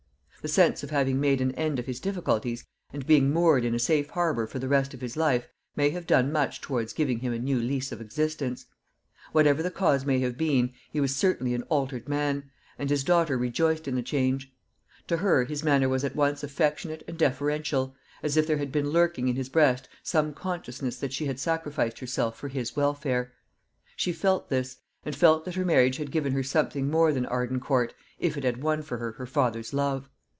The sense of having made an end of his difficulties, and being moored in a safe harbour for the rest of his life, may have done much towards giving him a new lease of existence. Whatever the cause may have been, he was certainly an altered man, and his daughter rejoiced in the change. To her his manner was at once affectionate and deferential, as if there had been lurking in his breast some consciousness that she had sacrificed herself for his welfare. She felt this, and felt that her marriage had given her something more than Arden Court, if it had won for her her father's love.